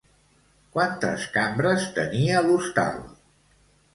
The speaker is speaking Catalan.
Quantes cambres tenia l'hostal?